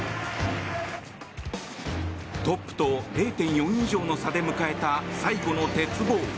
トップと０．４以上の差で迎えた最後の鉄棒。